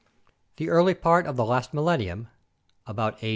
The early part of the last millenium (about a.